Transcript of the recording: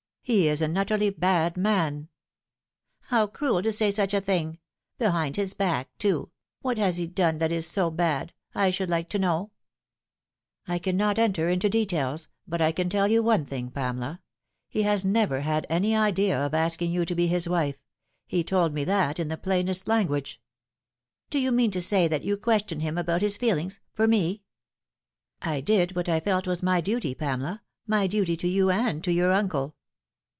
He is an utterly bad man." Not Proven. 228 " How cruel to say such a thing ! behind his back, too ! What has he done that is bad, I should like to know ?"" I cannot enter into details ; but I can tell you one thing, Pamela : he has never had any idea of asking you to be his wife. He told me that in the plainest language." " Do you mean to say that you questioned him about his feelings for me ?"" I did what I felt was my duty, Pamela my duty to you and to your uncle."